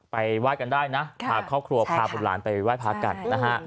ไปวาดกันได้นะพาครอบครัวพาผู้หลานไปวาดพระกัน